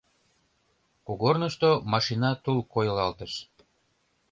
Кугорнышто машина тул койылалтыш.